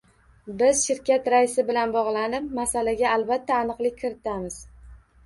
Biz shirkat raisi bilan bogʻlanib, masalaga albatta aniqlik kiritamiz.